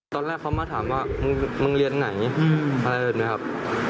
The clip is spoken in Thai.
ตอนแรกเขามาถามว่ามึงเรียนไหนอะไรแบบนี้ครับ